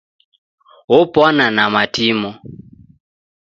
Opwana na matimo.